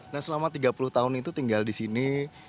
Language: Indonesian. nah selama tiga puluh tahun itu tinggal di sini